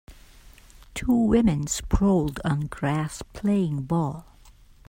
Two women sprawled on grass playing ball.